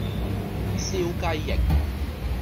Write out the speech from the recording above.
燒雞翼